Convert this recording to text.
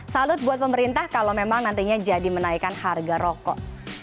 salut buat pemerintah kalau memang nantinya jadi menaikkan harga rokok